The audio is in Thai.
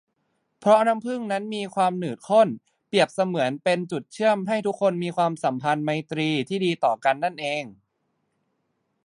เพราะน้ำผึ้งนั้นมีความหนืดข้น เปรียบเสมือนเป็นจุดเชื่อมให้ทุกคนมีสัมพันธไมตรีที่ดีต่อกันนั่นเอง